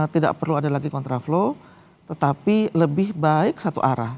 tidak perlu ada lagi kontraflow tetapi lebih baik satu arah